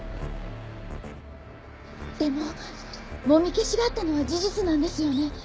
でももみ消しがあったのは事実なんですよね？